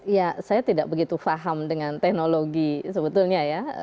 ya saya tidak begitu paham dengan teknologi sebetulnya ya